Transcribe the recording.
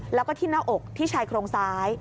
แล้วก็ที่หน้าอกที่ชายโครงซ้าย